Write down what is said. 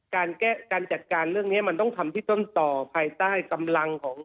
การแก้การจัดการเรื่องนี้มันต้องทำที่ต้นต่อภายใต้กำลังของ